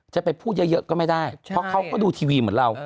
จะไปพูดเยอะก็ไม่ได้เพราะเขาก็ดูทีวีเหมือนเรา